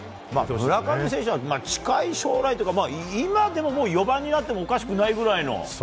村上選手は近い将来というか今でも４番になってもおかしくないぐらいの。